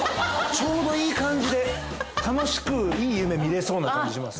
ちょうどいい感じで楽しくいい夢見られそうな感じします。